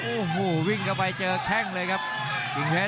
โอ้โหวิ่งเข้าไปเจอแข้งเลยครับกิ่งเพชร